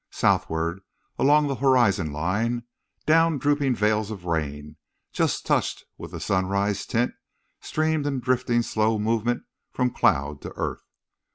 Southward along the horizon line, down dropping veils of rain, just touched with the sunrise tint, streamed in drifting slow movement from cloud to earth.